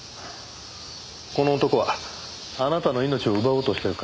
この男はあなたの命を奪おうとしてる可能性があります。